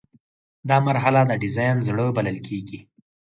دا مرحله د ډیزاین زړه بلل کیږي.